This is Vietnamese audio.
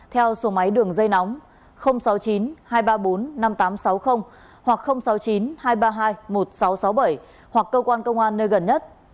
theo số máy đường dây nóng sáu mươi chín hai trăm ba mươi bốn năm nghìn tám trăm sáu mươi hoặc sáu mươi chín hai trăm ba mươi hai một nghìn sáu trăm sáu mươi bảy hoặc cơ quan công an nơi gần nhất